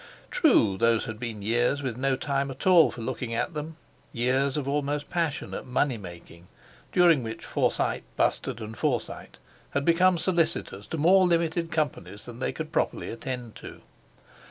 True, those had been years with no time at all for looking at them—years of almost passionate money making, during which Forsyte, Bustard and Forsyte had become solicitors to more limited Companies than they could properly attend to.